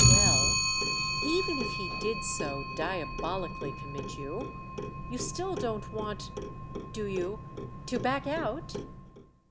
"Well, even if he did so diabolically commit you, you still don't want—do you?—to back out?"